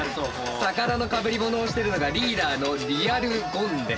魚のかぶり物をしてるのがリーダーのリアルゴンです。